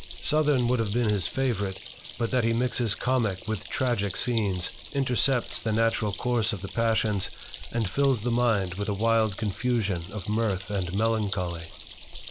Southern would have been his favourite, but that he mixes comick with tragick scenes, intercepts the natural course of the passions, and fills the mind with a wild confusion ol mirth and melancholy.